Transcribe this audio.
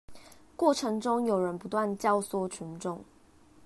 過程中有人不斷教唆群眾